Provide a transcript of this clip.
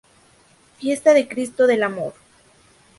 Fiesta de Cristo del Amor.